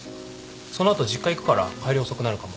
その後実家行くから帰り遅くなるかも。